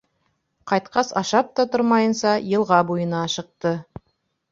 Ҡайтҡас, ашап та тормайса, йылға буйына ашыҡты.